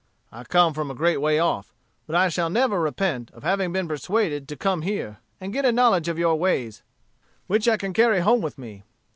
I come from a great way off. But I shall never repent of having been persuaded to come here, and get a knowledge of your ways, which I can carry home with me.